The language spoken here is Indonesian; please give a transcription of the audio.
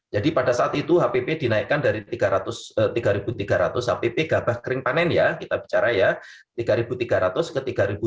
pada saat itu hpp dinaikkan dari tiga tiga ratus hpp gabah kering panen ya kita bicara ya rp tiga tiga ratus ke tiga ratus